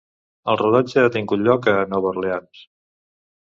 El rodatge ha tingut lloc a Nova Orleans.